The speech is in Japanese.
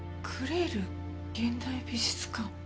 クレール現代美術館。